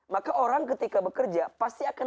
maka orang ketika bekerja pasti akan